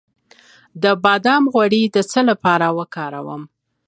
د بادام غوړي د څه لپاره وکاروم؟